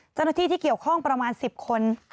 เจ้าหน้าที่ที่เกี่ยวข้องประมาณ๑๐คน